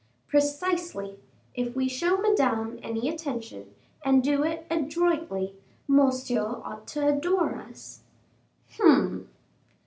"Precisely; if we show Madame any attention, and do it adroitly, Monsieur ought to adore us." "Hum!"